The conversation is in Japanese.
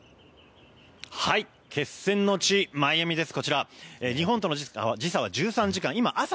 決戦の地マイアミです。